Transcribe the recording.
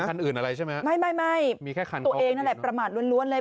ไม่ตัวเองนั่นแหละประมาทลวนเลย